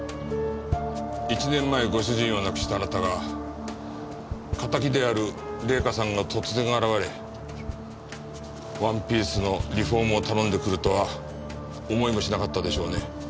１年前ご主人を亡くしたあなたが敵である玲香さんが突然現れワンピースのリフォームを頼んでくるとは思いもしなかったでしょうね。